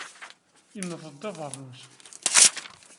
Yenneḍ-d abeṛnus.